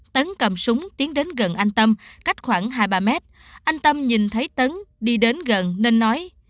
tấn cầm súng tiến đến gần anh tâm cách khoảng hai ba mét anh tâm nhìn thấy tấn đi đến gần nên nói